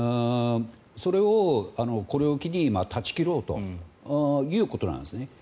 それをこれを機に断ち切ろうということなんです。